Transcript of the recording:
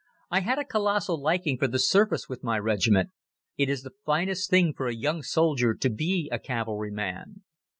I had a colossal liking for the service with my regiment. It is the finest thing for a young soldier to be a cavalry man.